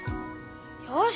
よし！